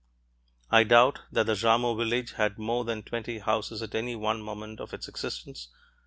I doubt that the Jarmo village had more than twenty houses at any one moment of its existence.